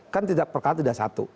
kan perkaan tidak satu